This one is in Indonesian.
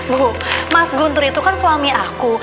bu mas guntur itu kan suami aku